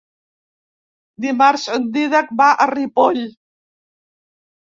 Dimarts en Dídac va a Ripoll.